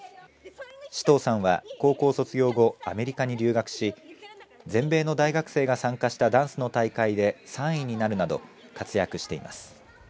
司東さんは高校卒業後、アメリカに留学し全米の大学生が参加したダンスの大会で３位になるなど活躍しています。